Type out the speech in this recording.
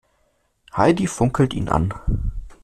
Heidi funkelt ihn an.